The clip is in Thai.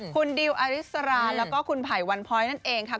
คุณดิวอาริสราแล้วก็คุณไผ่วันพ้อยนั่นเองค่ะ